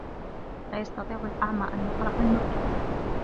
لَا يَسْتَطِيعُ الْأعْمى أَنْ يَقْرَأَ الْمَكْتُوبَ.